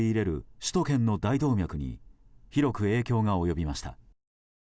首都圏の大動脈に広く影響が及びました。